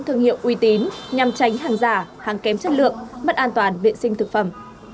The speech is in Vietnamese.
thương hiệu uy tín nhằm tránh hàng giả hàng kém chất lượng mất an toàn vệ sinh thực phẩm